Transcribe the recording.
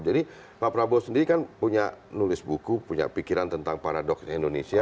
jadi pak prabowo sendiri kan punya nulis buku punya pikiran tentang paradoks indonesia